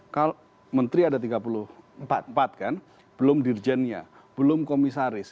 kalau menteri ada tiga puluh empat kan belum dirjennya belum komisaris